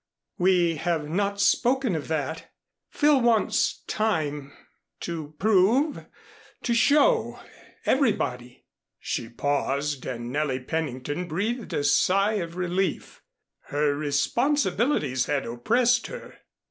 We have not spoken of that. Phil wants time to prove to show everybody " She paused and Nellie Pennington breathed a sigh of relief. Her responsibilities had oppressed her.